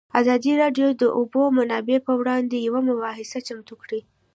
ازادي راډیو د د اوبو منابع پر وړاندې یوه مباحثه چمتو کړې.